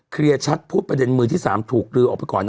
ชัดพูดประเด็นมือที่๓ถูกลือออกไปก่อน